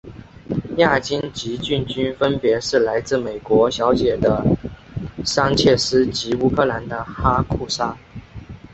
亚军及季军分别是来自美国小姐的桑切斯及乌克兰的哈库沙。